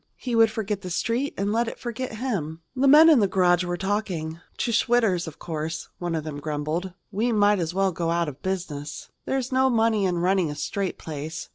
He would forget the Street and let it forget him. The men in the garage were talking. "To Schwitter's, of course," one of them grumbled. "We might as well go out of business." "There's no money in running a straight place.